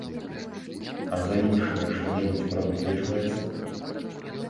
А за іншыя што-небудзь прадугледжваецца?